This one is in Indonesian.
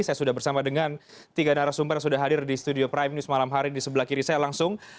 saya sudah bersama dengan tiga narasumber yang sudah hadir di studio prime news malam hari di sebelah kiri saya langsung